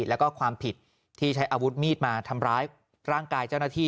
แล้วก็ความผิดที่ใช้อาวุธมีดมาทำร้ายร่างกายเจ้าหน้าที่